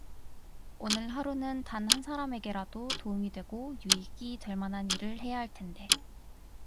오늘 하루는 단 한 사람에게라도 도움이 되고 유익이 될 만한 일을 해야 할 텐데.